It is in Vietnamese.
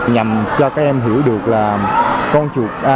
nhằm cho các em hiểu được là